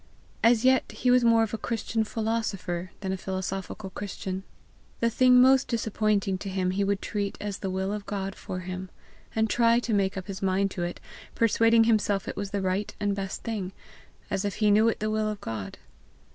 As yet he was more of a Christian philosopher than a philosophical Christian. The thing most disappointing to him he would treat as the will of God for him, and try to make up his mind to it, persuading himself it was the right and best thing as if he knew it the will of God.